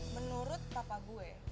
menurut papa gue